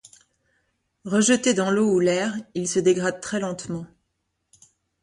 Rejeté dans l'eau ou l'air, il se dégrade très lentement.